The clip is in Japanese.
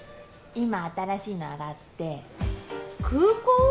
今新しいの上がって空港？